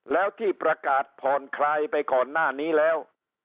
แล้วที่ประกาศผ่อนคลายไปก่อนหน้านี้แล้ว